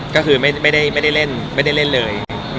ก็คือไม่ได้เล่นไม่ได้เล่นเลย